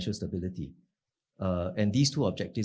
harga dan stabilitas kebijakan